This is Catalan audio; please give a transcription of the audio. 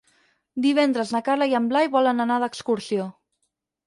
Divendres na Carla i en Blai volen anar d'excursió.